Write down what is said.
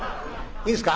いいですか？